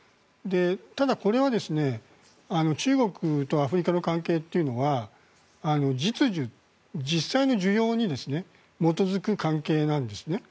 ただ、これは中国とアフリカの関係というのは実需、実際の需要に基づく関係なんですね。